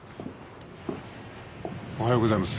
おはようございます。